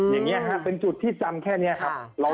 อย่างนี้ฮะเป็นจุดที่จำแค่นี้ครับ